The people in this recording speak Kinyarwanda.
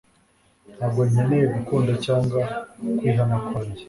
Ntabwo nkeneye gukunda cyangwa kwihana kwanjye